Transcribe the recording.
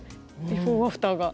ビフォーアフターが。